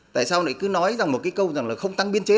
tại sao lại cứ nói rằng một cái câu rằng là không tăng biên chế